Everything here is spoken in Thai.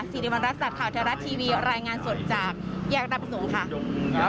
สิริวัณรักษัตริย์ข่าวเทวรัฐทีวีรายงานสดจากแยกรับประสงค์ค่ะ